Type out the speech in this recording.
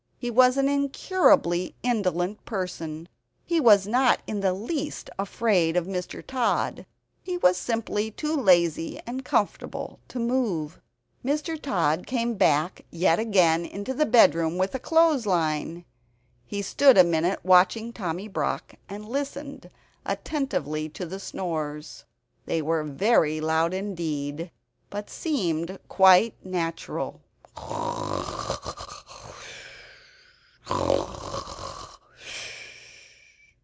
He was an incurably indolent person; he was not in the least afraid of Mr. Tod; he was simply too lazy and comfortable to move. Mr. Tod came back yet again into the bedroom with a clothes line. He stood a minute watching Tommy Brock and listening attentively to the snores. They were very loud indeed, but seemed quite natural.